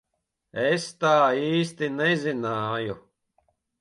Es tā īsti nezināju.